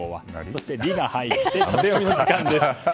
そして「リ」が入ってタテヨミの時間です。